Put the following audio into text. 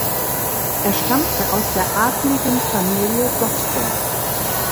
Er stammte aus der adligen Familie Gottberg.